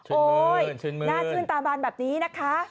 โอ้ยน่าชื่นตามบ้านแบบนี้นะคะ